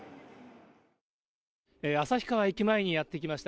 旭川駅前にやって来ました。